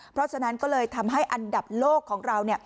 เพราะฉะนั้นก็เลยทำให้อันดับโลกของเรา